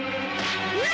「うわ！」